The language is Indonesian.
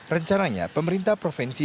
rencananya pemerintah provinsi